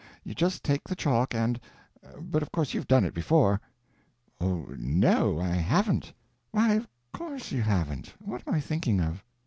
You just take the chalk and—but of course you've done it before." "Oh, no, I haven't." "Why, of course you haven't—what am I thinking of?